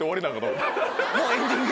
もうエンディング？